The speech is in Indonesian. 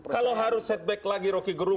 kalau harus setback lagi rocky gerung